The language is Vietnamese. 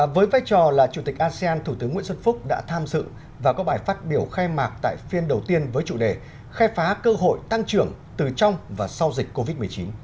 với vai trò là chủ tịch asean thủ tướng nguyễn xuân phúc đã tham dự và có bài phát biểu khai mạc tại phiên đầu tiên với chủ đề khai phá cơ hội tăng trưởng từ trong và sau dịch covid một mươi chín